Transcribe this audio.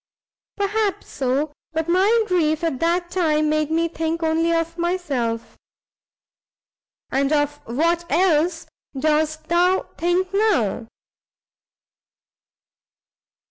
"Perhaps so, but my grief at that time made me think only of myself." "And of what else dost thou think now?"